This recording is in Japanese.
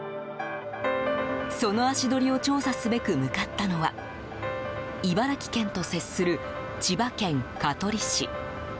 その足取りを調査すべく向かったのは茨城県と接する、千葉県香取市。